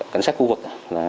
cảnh sát khu vực